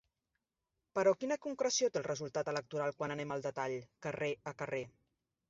Però quina concreció té el resultat electoral quan anem al detall, carrer a carrer?